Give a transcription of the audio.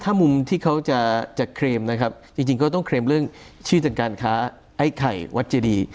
ถ้ามุมที่เขาจะเคลมนะครับจริงก็ต้องเคลมเรื่องชื่อจากการค้าไอ้ไข่วัดเจดี